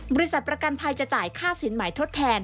บริษัทประกันภัยจะจ่ายค่าสินหมายทดแทน